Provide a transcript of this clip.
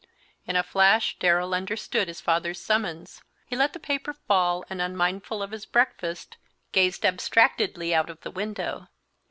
In a flash Darrell understood his father's summons. He let the paper fall and, unmindful of his breakfast, gazed abstractedly out of the window.